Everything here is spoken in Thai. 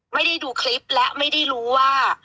ไม่ได้ดูคลิปและไม่ได้รู้ว่า